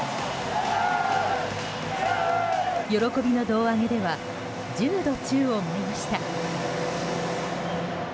喜びの胴上げでは１０度、宙を舞いました。